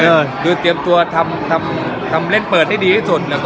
เรายังเตรียมตัวทำเล่นเปิดให้ดีที่สุด